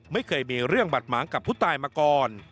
ไม่เคยมีเรื่องบาดหมางกับผู้ตายมาก่อน